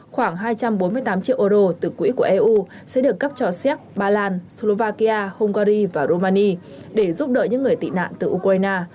khoảng hai trăm bốn mươi tám triệu euro từ quỹ của eu sẽ được cấp cho xéc ba lan slovakia hungary và romani để giúp đỡ những người tị nạn từ ukraine